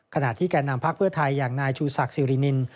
ขณะที่แก่นำพักเพื่อไทยอย่างนายชูศักดิรินิน